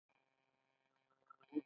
هغه د انځورګرۍ او باغونو مینه وال و.